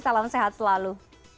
salam sehat selalu